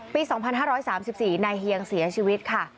ปี๒๕๓๔นายเฮียงเสียชีวิตค่ะ